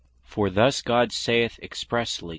For thus God saith expressely (Numb.